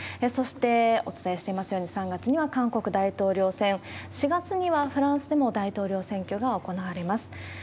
そしてお伝えしていますように、３月には韓国大統領選、４月にはフランスでも大統領選挙が行われます。